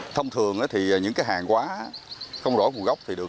thông thường thì những cái hàng quá không rõ nguồn gốc thì được